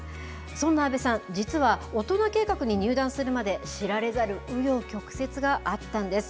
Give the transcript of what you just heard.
そんな阿部さん、実は、大人計画に入団するまで、知られざるう余曲折があったんです。